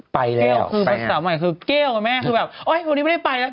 ไปแล้วแก้วคือภาษาหน่วยคือแก้วแม่คือแบบอ้อยวันนี้ไม่ได้ไปละ